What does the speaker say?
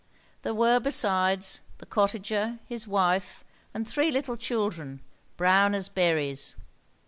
There were, besides, the cottager, his wife, and three little children, brown as berries.